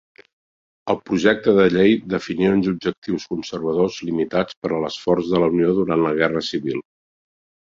El projecte de llei definia uns objectius conservadors limitats per a l'esforç de la Unió durant la Guerra Civil.